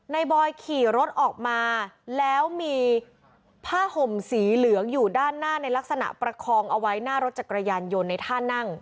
บอยขี่รถออกมาแล้วมีผ้าห่มสีเหลืองอยู่ด้านหน้าในลักษณะประคองเอาไว้หน้ารถจักรยานยนต์ในท่านั่ง